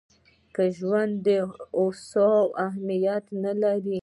که ژوند او هوساینه اهمیت نه لري.